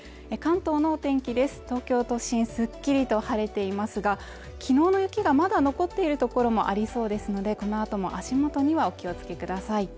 東京都心すっきりと晴れていますが昨日の雪がまだ残っている所もありそうですのでこのあとも足元にはお気をつけください